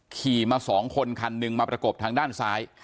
ขี่มาสองคนคันหนึ่งมาประกบทางด้านซ้าย